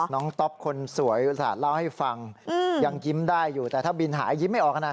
ต๊อปคนสวยอุตส่าห์เล่าให้ฟังยังยิ้มได้อยู่แต่ถ้าบินหายยิ้มไม่ออกนะ